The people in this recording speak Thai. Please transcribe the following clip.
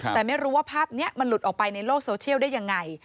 แต่ไม่รู้ว่าภาพนี้มันหลุดออกไปในโลกโซเชียลได้ยังไง